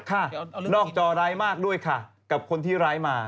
นอกจอร้ายมากด้วยค่ะกับคนที่ร้ายมา